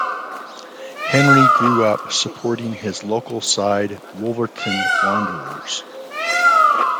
Henry grew up supporting his local side Wolverhampton Wanderers.